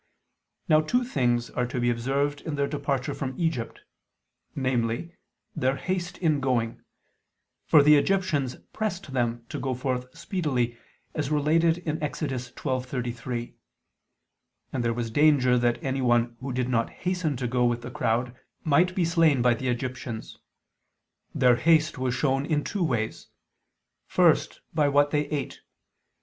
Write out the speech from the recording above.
Now two things are to be observed in their departure from Egypt: namely, their haste in going, for the Egyptians pressed them to go forth speedily, as related in Ex. 12:33; and there was danger that anyone who did not hasten to go with the crowd might be slain by the Egyptians. Their haste was shown in two ways. First by what they ate.